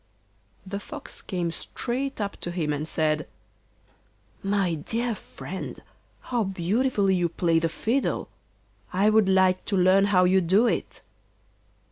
The Fox came straight up to him and said: 'My dear friend, how beautifully you play the fiddle; I would like to learn how you do it.